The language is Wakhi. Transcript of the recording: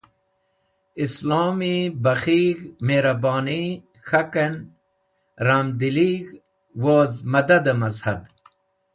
Islomi bakhig̃h, miriboni k̃haken, ramdilig̃h woz mẽdadẽ mẽzhab.